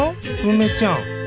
梅ちゃん。